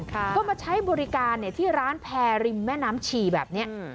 ก็มาใช้บริการที่ร้านแพรริมแม่น้ำชีแบบนี้